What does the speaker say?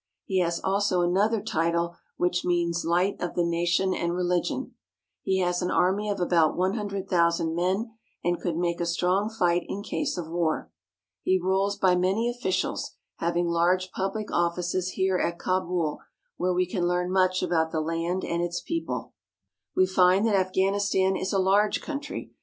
He has also another title which means Light of the Nation and Religion." He has an army of about one hundred thousand men, and could make a strong fight in case of war. He rules by many officials, having large public offices here at Kabul where we can learn much about the land and its people. We find that Afghanistan is a large country.